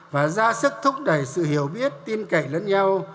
và ra sức thúc đẩy sự hiểu biết tin cậy lẫn nhau